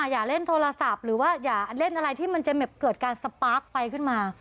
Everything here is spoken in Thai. อย่าเล่นโทรศัพท์หรือว่าอย่าเล่นอะไรที่มันจะเกิดการสปาร์คไฟขึ้นมา